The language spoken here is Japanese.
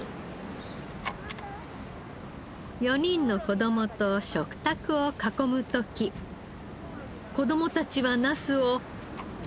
４人の子どもと食卓を囲む時子どもたちはナスを。